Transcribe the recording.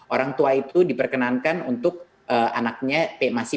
orang tua itu diperkenankan untuk anaknya masih pjj saat ini